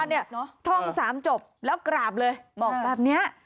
อันนี้ท่องสามจบแล้วกราบเลยบอกแบบนี้